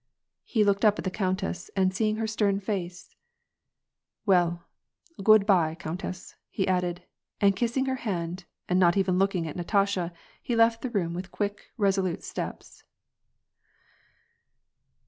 He looked up at the countess, and seeing her stern face, "Well, good by countess," he added, and kissing her hand and not even looking at Natasha^ he left the room with quick, resolute steps.